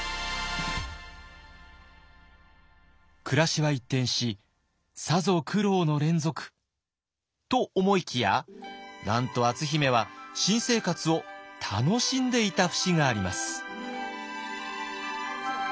暮らしは一転しさぞ苦労の連続と思いきやなんと篤姫は新生活を楽しんでいた節があります。